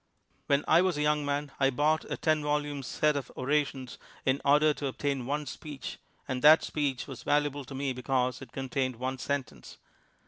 When I was a young man I bought a ten vol ume set of orations in order to obtain one speech, and that speech was valuable to me because it contained one sentence.